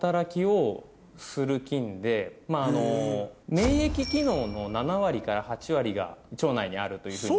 免疫機能の７割から８割が腸内にあるというふうに。